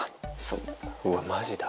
うわマジだ。